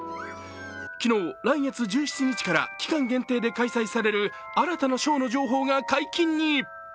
昨日、来月１７日から期間限定で開催される新たなショーの情報が解禁に。